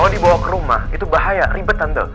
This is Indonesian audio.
di rumah itu bahaya ribet tante